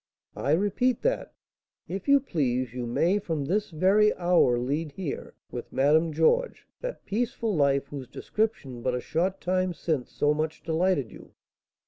"I repeat that, if you please, you may from this very hour lead here, with Madame Georges, that peaceful life whose description but a short time since so much delighted you.